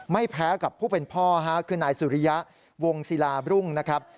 ไม่แพ้กับผู้เป็นพ่อคือนายสุริยะวงศิลาบรุ่งนะครับ